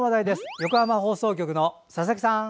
横浜放送局の佐々木さん。